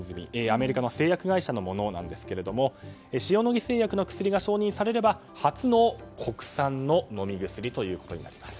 アメリカの製薬会社のものなんですがシオノギ製薬の薬が承認されれば初の国産の飲み薬となります。